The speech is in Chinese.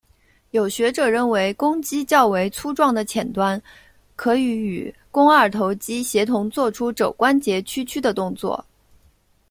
有学者认为肱肌较为粗壮的浅端可与与肱二头肌协同作出肘关节屈曲的动作。